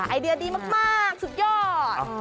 ไอเดียดีมากสุดยอด